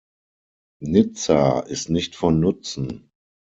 Nizza ist nicht von Nutzen.